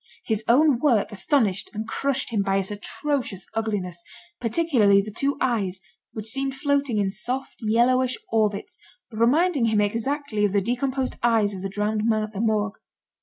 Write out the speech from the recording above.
His own work astonished and crushed him by its atrocious ugliness; particularly the two eyes which seemed floating in soft, yellowish orbits, reminding him exactly of the decomposed eyes of the drowned man at the Morgue.